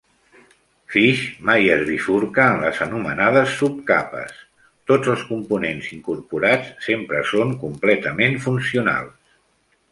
Fish mai es bifurca en les anomenades subcapes; tots els components incorporats sempre són completament funcionals.